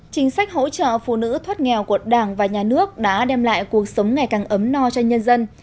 chính sách hỗ trợ phụ nữ thoát nghèo của đảng và nhà nước đã đem lại cuộc sống ngày càng ấm no cho nhân dân